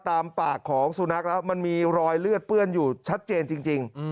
ตามปากของสุนัขแล้วมันมีรอยเลือดเปื้อนอยู่ชัดเจนจริง